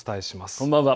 こんばんは。